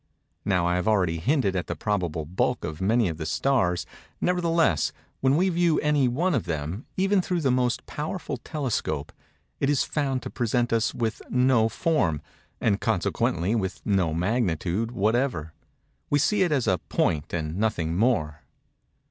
Now I have already hinted at the probable bulk of many of the stars; nevertheless, when we view any one of them, even through the most powerful telescope, it is found to present us with no form, and consequently with no magnitude whatever. We see it as a point and nothing more.